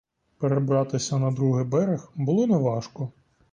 Перебратися на другий берег було не важко.